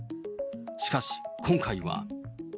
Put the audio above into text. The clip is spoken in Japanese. しかし、今回は。